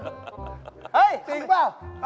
เฮ่ยจริงหรือเปล่า